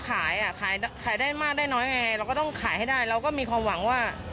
ขายอ่ะขายขายได้มากได้น้อยไงเราก็ต้องขายให้ได้เราก็มีความหวังว่า